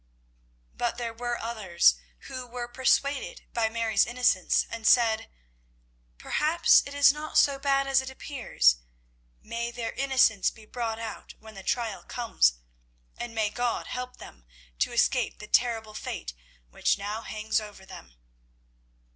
But there were others who were persuaded of Mary's innocence, and said, "Perhaps it is not so bad as it appears. May their innocence be brought out when the trial comes, and may God help them to escape the terrible fate which now hangs over them."